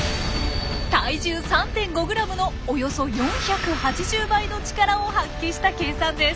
体重３．５グラムのおよそ４８０倍の力を発揮した計算です。